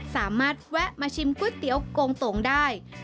สามารถแวะมาชิมก๋วยเตี๋ยวโกงโต่งได้